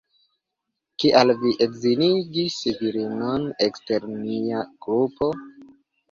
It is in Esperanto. Kial vi edzinigis virinon ekster nia grupo?